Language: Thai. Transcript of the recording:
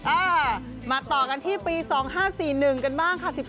อ่ามาต่อกันที่ปี๒๕๔๑กันบ้างค่ะ